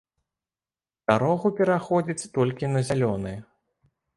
Дарогу пераходзяць толькі на зялёны.